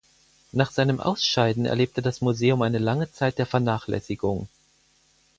Nach seinem Ausscheiden erlebte das Museum eine lange Zeit der Vernachlässigung.